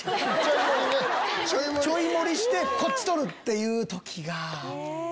ちょい盛りしてこっち取る！っていう時が。